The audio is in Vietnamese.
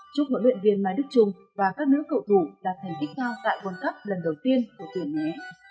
chúc hội luyện viên mai đức trung và các nữ cầu thủ đạt thành kích cao tại quân cấp lần đầu tiên của tuyển nhé